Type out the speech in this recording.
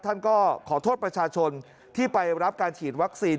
ท่านก็ขอโทษประชาชนที่ไปรับการฉีดวัคซีน